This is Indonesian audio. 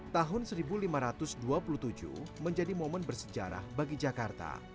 tahun seribu lima ratus dua puluh tujuh menjadi momen bersejarah bagi jakarta